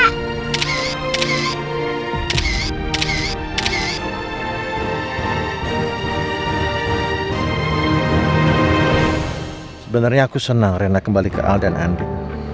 sebenarnya aku senang rena kembali ke al dan andi